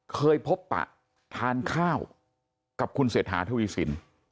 เคยพบปะทานข้าวกับคุณเศรษฐาทวีสิน